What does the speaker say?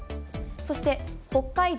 そして北海道